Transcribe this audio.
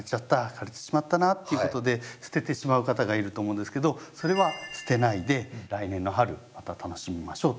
枯れてしまったな」っていうことで捨ててしまう方がいると思うんですけどそれは捨てないで来年の春また楽しみましょうということですね。